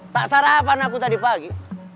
tak sarapan aku tadi pagi